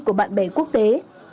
của bạn bè quốc tế